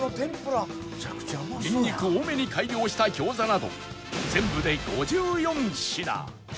ニンニク多めに改良した餃子など全部で５４品